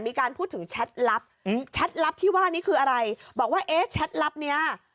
มีการพูดถึงแชทลับอืมแชทลับที่ว่านี้คืออะไรบอกว่าเอ๊ะแชทลับเนี้ย